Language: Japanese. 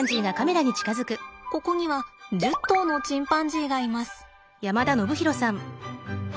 ここには１０頭のチンパンジーがいます。